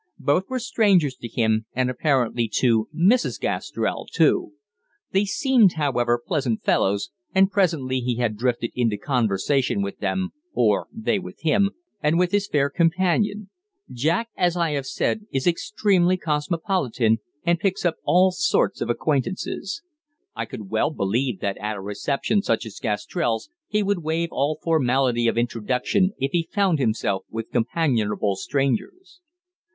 Both were strangers to him, and apparently to "Mrs. Gastrell" too. They seemed, however, pleasant fellows, and presently he had drifted into conversation with them, or they with him, and with his fair companion Jack, as I have said, is extremely cosmopolitan, and picks up all sorts of acquaintances. I could well believe that at a reception such as Gastrell's he would waive all formality of introduction if he found himself with companionable strangers.